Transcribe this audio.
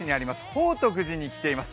宝徳寺に来ています。